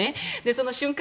その瞬間